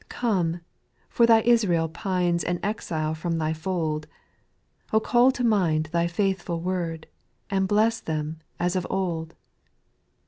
3. Come, for Tby Israel pines An exile from Thy fold ; O call to mind Thy faithful word, And bless them, as of old